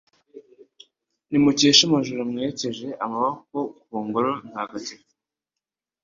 Nimukeshe amajoro mwerekeje amaboko ku Ngoro ntagatifu